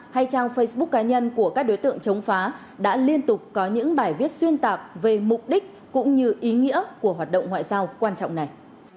hay trang facebook cá nhân của các đối tượng chống phá đã liên tục có những bài viết xuyên tạc về mục đích cũng như ý nghĩa của hoạt động ngoại giao quan trọng này